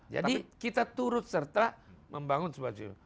jadi kita turut serta membangun sebuah sistem